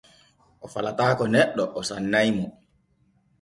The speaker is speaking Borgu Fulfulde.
O falataako neɗɗe o sannay mo.